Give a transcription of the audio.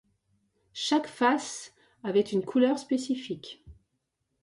Chaque face avait une couleur spécifique.